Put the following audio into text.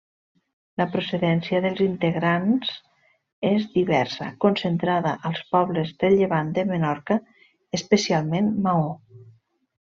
La procedència dels integrants és diversa, concentrada als pobles del llevant de Menorca, especialment Maó.